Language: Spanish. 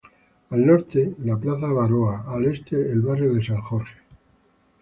Al norte la Plaza Abaroa, al este el barrio de San Jorge.